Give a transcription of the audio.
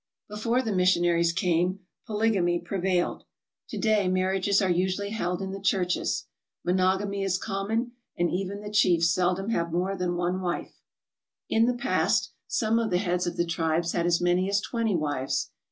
Before the missionaries came polygamy prevailed. To day marriages are usually held in the churches. Monog amy is common, and even the chiefs seldom have more than one wife. In the past some of the heads of the tribes had as many as twenty wives.